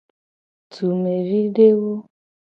Dumevidewo.